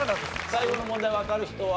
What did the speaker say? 最後の問題わかる人は？